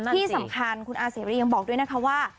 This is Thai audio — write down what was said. ที่สำคัญคุณอาเสรียังบอกด้วยนะคะว่า